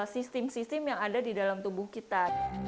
sistem sistem yang ada di dalam tubuh kita